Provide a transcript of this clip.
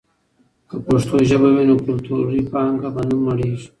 که پښتو ژبه وي، نو کلتوري پانګه به نه مړېږي.